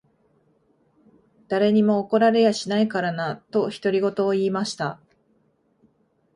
誰にも怒られやしないからな。」と、独り言を言いました。